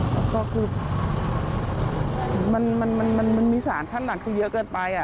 แล้วก็คือมันมีสารขั้นหลังคือเยอะเกินไป